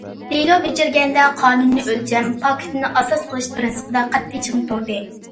دېلو بېجىرگەندە قانۇننى ئۆلچەم، پاكىتنى ئاساس قىلىش پىرىنسىپىدا قەتئىي چىڭ تۇردى.